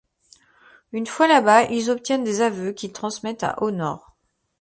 Une fois là-bas, ils obtiennent des aveux qu'ils transmettent à Honor.